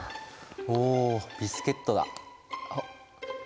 おビスケットだ。